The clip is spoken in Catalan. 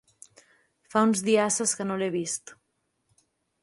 Fa uns diasses que no l'he vist.